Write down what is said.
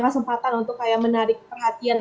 kesempatan untuk menarik perhatian